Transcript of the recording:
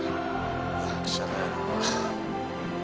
役者だよな。